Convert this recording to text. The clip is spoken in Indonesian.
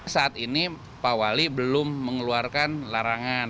saat ini pak wali belum mengeluarkan larangan